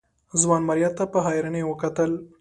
ځوان ماريا ته په حيرانۍ وکتل.